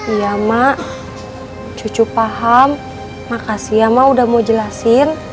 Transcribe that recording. iya mak cucu paham makasih ya mak udah mau jelasin